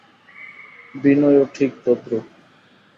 বিনয়ও ঠিক তদ্রূপ।